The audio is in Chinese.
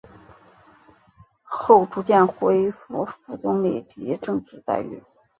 后逐渐恢复副总理级政治待遇。